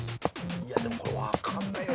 いやでもこれわかんないよ